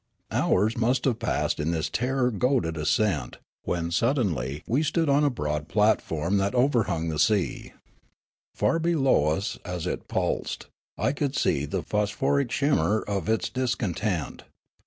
Hours must have passed in this terror goaded ascent, when suddenly we stood on a broad platform that The Midnight Ascent and FHght 1 79 overhung the sea. Far below us as it pulsed I could see the phosphoric shimmer of its discontent.